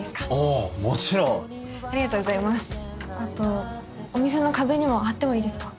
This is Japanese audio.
あとお店のかべにもはってもいいですか？